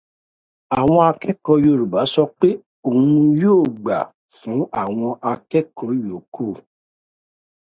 Akọ́mọlédè Yorùbá sọ pé òun yóò gba fún àwọn akẹ́kọ̀ọ́ yókù